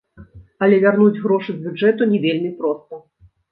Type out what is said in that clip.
Але вярнуць грошы з бюджэту не вельмі проста.